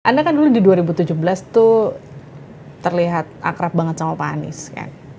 anda kan dulu di dua ribu tujuh belas tuh terlihat akrab banget sama pak anies kan